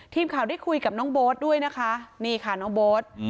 ทีมข่าวได้คุยกับน้องโบ๊ทด้วยนะคะนี่ค่ะน้องโบ๊ท